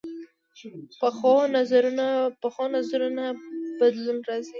پخو نظرونو بدلون راځي